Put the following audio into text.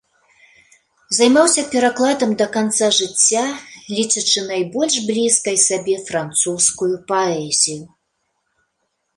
Займаўся перакладам да канца жыцця, лічачы найбольш блізкай сабе французскую паэзію.